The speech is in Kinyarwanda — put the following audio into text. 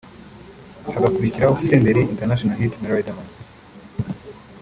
hagakurikiraho Senderi International Hit na Riderman